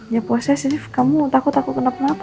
ya posesif kamu takut takut kenapa kenapa